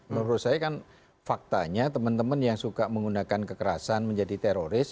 menurut saya kan faktanya teman teman yang suka menggunakan kekerasan menjadi teroris